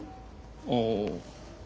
ああ。